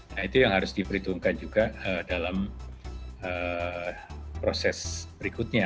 nah itu yang harus diperhitungkan juga dalam proses berikutnya